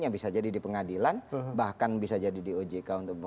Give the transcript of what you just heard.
yang bisa jadi di pengadilan bahkan bisa jadi di ojk untuk pembukaan keuangan negara